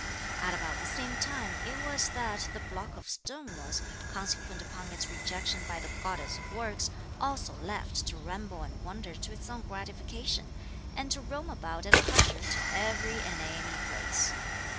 At about the same time it was that the block of stone was, consequent upon its rejection by the goddess of works, also left to ramble and wander to its own gratification, and to roam about at pleasure to every and any place.